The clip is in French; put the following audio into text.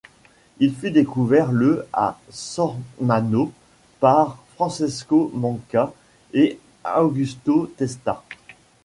Il fut découvert le à Sormano par Francesco Manca et Augusto Testa.